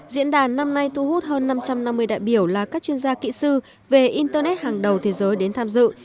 diễn đàn năm nay thu hút hơn năm trăm năm mươi đại biểu là các chuyên gia kỹ sư về internet hàng đầu thế giới đến tham dự